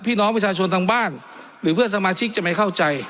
พี่น้องประชาชนทางบ้านหรือเพื่อนสมาชิกจะไม่เข้าใจ